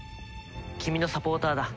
君のサポーターだ。